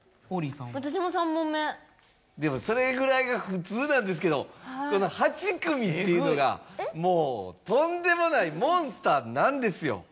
でもそれぐらいが普通なんですけどこの８組っていうのがもうとんでもないモンスターなんですよ。